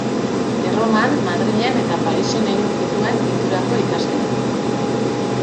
Erroman, Madrilen eta Parisen egin zituen pinturako ikasketak.